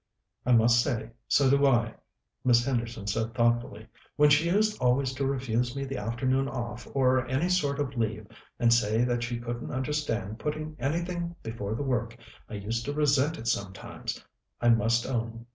"I must say, so do I," Miss Henderson said thoughtfully. "When she used always to refuse me the afternoon off, or any sort of leave, and say that she couldn't understand putting anything before the work, I used to resent it sometimes, I must own.